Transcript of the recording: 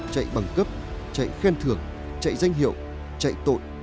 chạy bằng cấp chạy khen thưởng chạy danh hiệu chạy tội